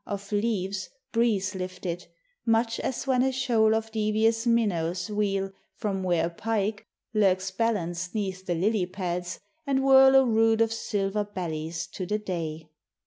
15 Of leaves breeze lifted, much as when a shoal Of devious minnows wheel from where a pike Lurks balanced 'neath the lily pads, and whirl A rood of silver bellies to the day.